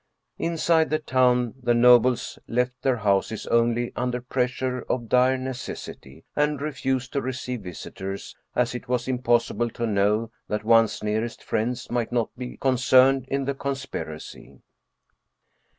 Inside the town, the nobles left their houses only under pressure of dire neces sity, and refused to receive visitors, as it was impossible to know that one's nearest friends might not be concerned in the conspiracy.